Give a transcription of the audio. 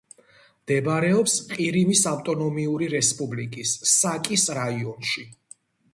მდებარეობს ყირიმის ავტონომიური რესპუბლიკის საკის რაიონში.